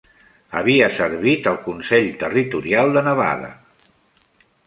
Havia servit al Consell Territorial de Nevada.